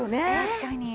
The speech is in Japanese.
確かに。